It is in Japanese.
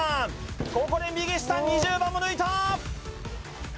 ここで右下２０番も抜いた！